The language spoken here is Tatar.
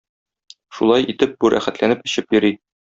Шулай итеп бу рәхәтләнеп эчеп йөри.